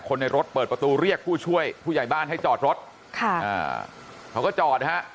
ในรถเปิดประตูเรียกผู้ช่วยผู้ใหญ่บ้านให้จอดรถค่ะอ่าเขาก็จอดนะฮะ